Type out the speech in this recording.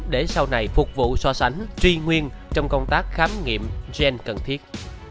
để sau này phục vụ so sánh truy nguyên trong công tác khám nghiệm gen cần thiết